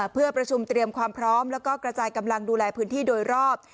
เพื่อประชุมเตรียมความพร้อมแล้วก็กระจายกำลังดูแลพื้นที่โดยรอบ